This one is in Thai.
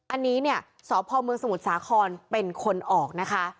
อันนี้สพมสมุทรสาครเป็นคนออกนะคะ